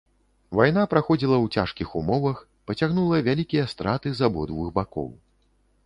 Вайна праходзіла ў цяжкіх умовах, пацягнула вялікія страты з абодвух бакоў.